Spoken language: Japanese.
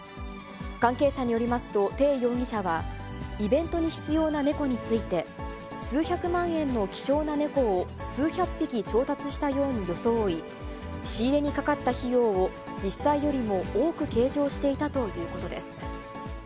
関係者によりますと、鄭容疑者は、イベントに必要な猫について、数百万円の希少な猫を数百匹調達したように装い、仕入れにかかった費用を実際よりも多く計上していたということです。